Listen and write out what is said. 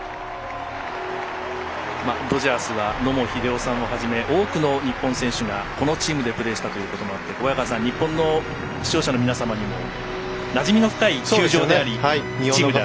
ドジャースは野茂英雄さんをはじめ多くの日本選手が、このチームでプレーしたこともあって日本の視聴者の皆様にもなじみのある球場、チームと。